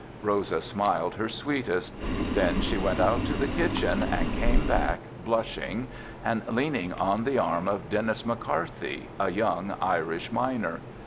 Rosa smiled her sweetest. Then she went out to the kitchen and came back blushing and leaning on the arm of Dennis McCarthy, a young Irish miner.